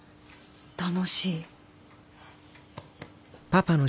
楽しい。